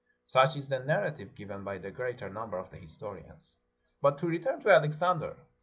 Such is the narrative given by the greater number of the historians. But to return to Alexander.